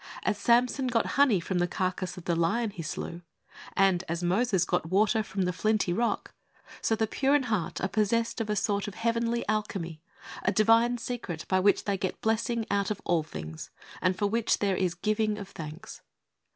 As Samson got honey from the carcase of the lion he slew, and as Moses got water from the flinty rock, so the pure in heart are possessed of a sort of heavenly alchemy, a divine secret by which they get blessing out of all things, and for which there is giving of thanks.